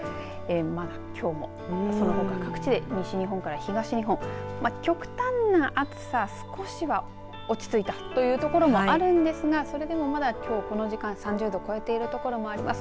まだきょうも、そのほか各地で西日本から東日本極端な暑さ少し落ち着いたというところもあるんですがそれでもきょうまだこの時間３０度超えているところもあります。